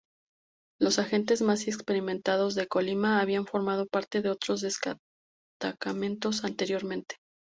Los agentes más experimentados de Colina habían formado parte de otros destacamentos anteriormente.